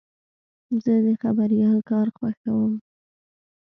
زه د خبریال کار خوښوم.